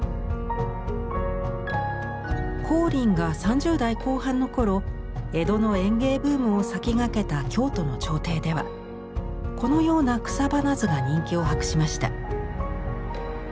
光琳が３０代後半の頃江戸の園芸ブームを先駆けた京都の朝廷ではこのような草花図が人気を博しました。